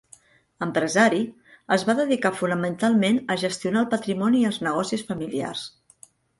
Empresari, es va dedicar fonamentalment a gestionar el patrimoni i els negocis familiars.